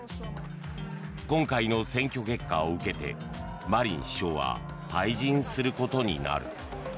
今回の選挙結果を受けてマリン首相は退陣することになる。